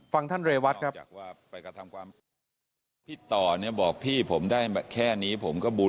ฟังท่านเรวัตครับ